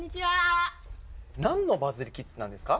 なんのバズリキッズなんですか？